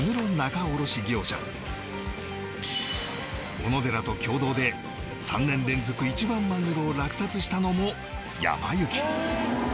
おのでらと協働で３年連続一番マグロを落札したのもやま幸